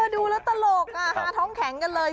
ดูแล้วตลกหาท้องแข็งกันเลย